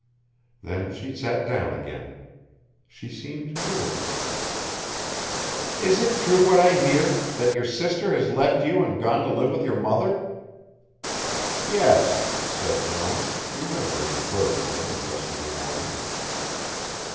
Then she sat down again. She seemed nervous. "Is it true what I hear, that your sister has left you and gone to live with your mother?" "Yes," said Jones, remembering the bird woman of yesterday morning.